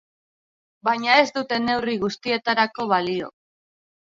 Baina ez dute neurri guztietarako balio.